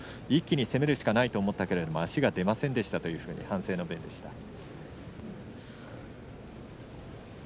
一気に攻めるしかないと思ったけど足が出ませんでしたというふうに反省の弁でした。